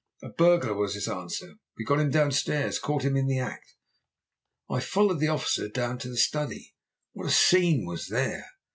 "'A burglar!' was his answer. 'We've got him downstairs; caught him in the act.' "I followed the officer down to the study. What a scene was there!